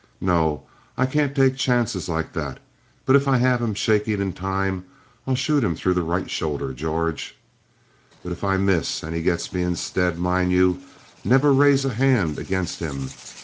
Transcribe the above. No, I can't take chances like that. But if I have him shaking in time, I'll shoot him through the right shoulder, George. "But if I miss and he gets me instead, mind you, never raise a hand against him.